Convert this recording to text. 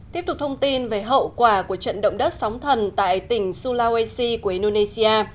tiếp tục thông tin về hậu quả của trận động đất sóng thần tại tỉnh sulawesi của indonesia